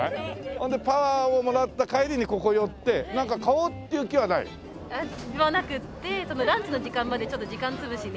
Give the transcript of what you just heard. それでパワーをもらった帰りにここ寄ってなんか買おうっていう気はない？はなくってランチの時間までちょっと時間潰しに。